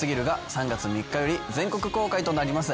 ３月３日より全国公開となります。